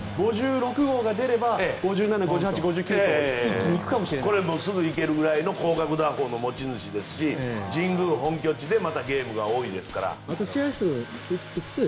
５６号が出れば５７、５８、５９とすぐ行けるかもしれない広角打法の持ち主ですし神宮本拠地でまたゲームが多いですから。